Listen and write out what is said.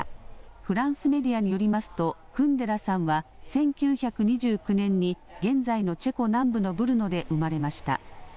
フランスメディアによりますとクンデラさんは１９２９年に現在のチェコ南部のブルノで生まれました。